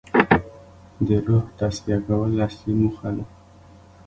د روح تصفیه کول اصلي موخه ده.